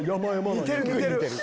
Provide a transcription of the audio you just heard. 似てる似てる。